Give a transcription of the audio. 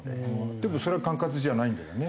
でもそれは管轄じゃないんだよね？